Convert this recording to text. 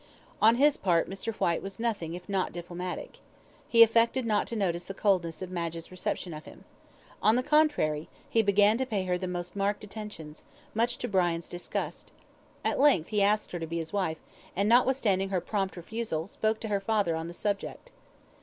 On his part Mr. Whyte was nothing if not diplomatic. He affected not to notice the coldness of Madge's reception of him. On the contrary he began to pay her the most marked attentions, much to Brian's disgust. At length he asked her to be his wife, and notwithstanding her prompt refusal, spoke to her father on the subject.